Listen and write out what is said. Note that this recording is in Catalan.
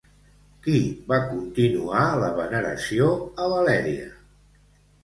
Qui va continuar la veneració a Valèria?